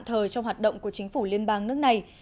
thời trong hoạt động của chính phủ liên bang nước này